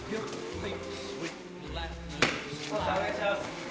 はい！